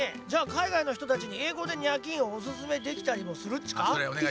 じゃあかいがいのひとたちにえいごで「ニャキーン！」をおすすめできたりもするっちか？